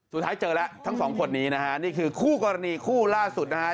สุดท้ายเจอแล้วทั้งสองคนนี้นะฮะนี่คือคู่กรณีคู่ล่าสุดนะฮะ